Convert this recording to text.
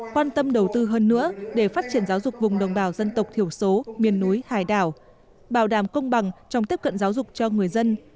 quan tâm đầu tư hơn nữa để phát triển giáo dục vùng đồng bào dân tộc thiểu số miền núi hải đảo bảo đảm công bằng trong tiếp cận giáo dục cho người dân